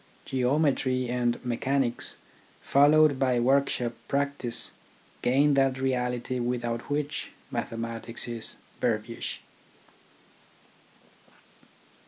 Geometry and mechanics, followed by workshop practice, gain that reality without which mathe matics is verbiage.